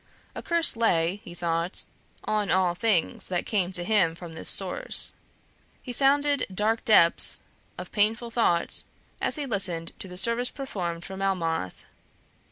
A curse lay, he thought, on all things that came to him from this source. He sounded dark depths of painful thought as he listened to the service performed for Melmoth.